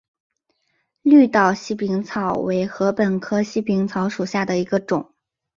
绿岛细柄草为禾本科细柄草属下的一个种。